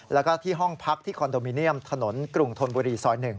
แล้วก็ที่ห้องพักที่คอนโดมิเนียมถนนกรุงธนบุรีซอย๑